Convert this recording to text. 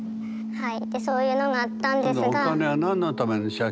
はい。